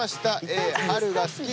Ａ春が好き？